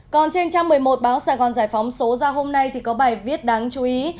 còn trên trang một mươi một báo sài gòn giải phóng số ra hôm nay thì có bài viết đáng chú ý